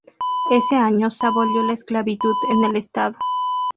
Ese año se abolió la esclavitud en el estado.